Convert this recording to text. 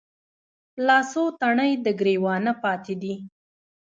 لا څــــو تڼۍ د ګــــــرېوانه پاتـې دي